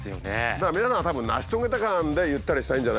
だから皆さんたぶん成し遂げた感でゆったりしたいんじゃないの？